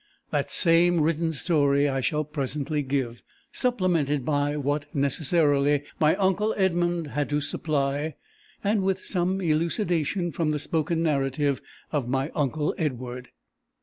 That same written story I shall presently give, supplemented by what, necessarily, my uncle Edmund had to supply, and with some elucidation from the spoken narrative of my uncle Edward.